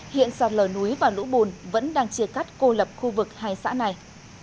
hiện sạt lở núi và lũ bùn vẫn đang chia cắt cô lập khu vực hai xã này